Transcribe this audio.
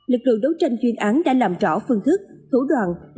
lực lượng đấu tranh chuyên án đã làm rõ phân thức thủ đoàn